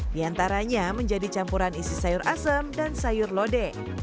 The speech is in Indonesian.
di antaranya menjadi campuran isi sayur asem dan sayur lode